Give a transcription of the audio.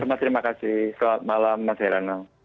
selamat malam mas heran